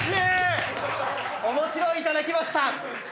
面白い頂きました！